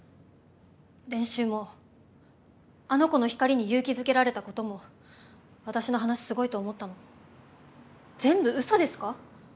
練習もあの子の光に勇気づけられたことも私の話すごいと思ったも全部うそですか？